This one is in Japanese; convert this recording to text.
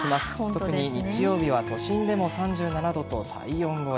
特に日曜日は都心でも３７度と体温超え。